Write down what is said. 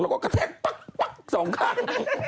แล้วก็กระแทกปั๊กสองข้าง